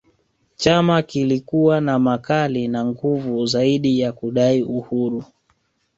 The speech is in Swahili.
Chama kilikuwa na makali na nguvu zaidi ya kudai uhuru